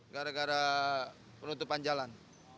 gara gara penutupan jalan